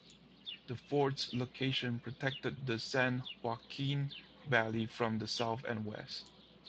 The fort's location protected the San Joaquin Valley from the south and west.